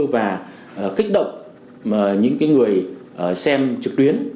và kích động những cái người xem trực tuyến